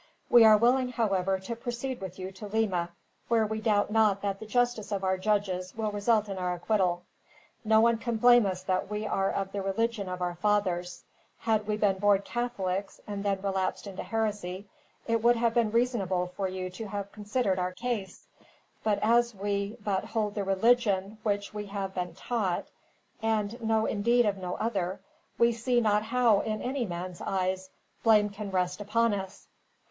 We are willing, however, to proceed with you to Lima; where we doubt not that the justice of our judges will result in our acquittal. No one can blame us that we are of the religion of our fathers. Had we been born Catholics, and then relapsed into heresy, it would have been reasonable for you to have considered our case; but as we but hold the religion which we have been taught, and know indeed of no other, we see not how, in any man's eyes, blame can rest upon us."